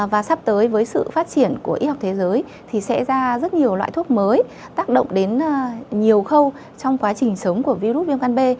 và sắp tới với sự phát triển của y học thế giới thì sẽ ra rất nhiều loại thuốc mới tác động đến nhiều khâu trong quá trình sống của virus viêm gan b